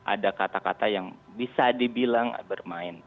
ada kata kata yang bisa dibilang bermain